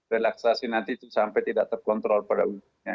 relaksasi nanti itu sampai tidak terkontrol pada umumnya